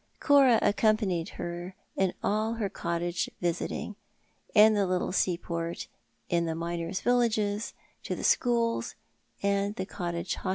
Cora accompanied her in all her cottage visiting — in the little seaport — in the miners' villages— to the schools and the cottage ho.